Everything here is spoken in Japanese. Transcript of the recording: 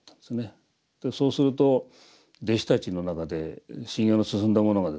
そうすると弟子たちの中で修行の進んだ者がですね